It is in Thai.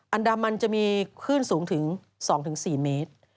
อันดามันจะมีคลื่นสูงถึง๒๔เมตร